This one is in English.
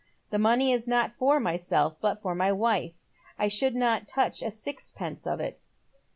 The money is not for myself, hut for my wife. I should not touch a sixpence of it."